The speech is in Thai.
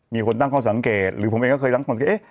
มีคนตั้งข้อสังเกตหรือผมเองก็เคยตั้งคนก็เอ๊ะ